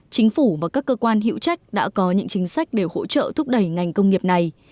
chính phủ và các cơ quan hiệu trách đã có những chính sách để hỗ trợ thúc đẩy ngành công nghiệp này